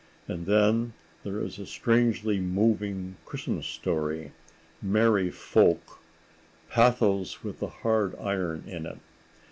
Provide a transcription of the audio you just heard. And then there is a strangely moving Christmas story, "Merry Folk"—pathos with the hard iron in it.